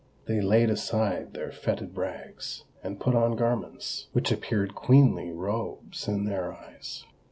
They laid aside their fetid rags, and put on garments which appeared queenly robes in their eyes.